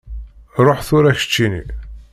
Ruḥ tura keččini!